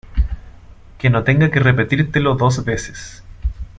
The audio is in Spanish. Que no tenga que repetírtelo dos veces